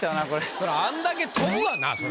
そらあんだけ跳ぶわなそら。